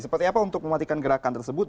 seperti apa untuk mematikan gerakan tersebut